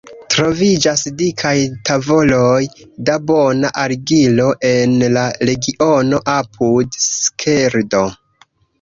Troviĝas dikaj tavoloj da bona argilo en la regiono apud Skeldo.